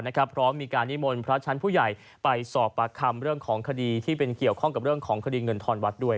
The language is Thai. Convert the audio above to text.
พร้อมมีการนิมนต์พระชั้นผู้ใหญ่ไปสอบปากคำเรื่องของคดีที่เป็นเกี่ยวข้องกับเรื่องของคดีเงินทอนวัดด้วย